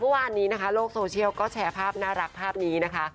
เมื่อวานนี้นะคะโลกโซเชียลก็แชร์ภาพน่ารักภาพนี้นะคะ